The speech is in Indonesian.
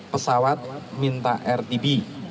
pesawat minta rtb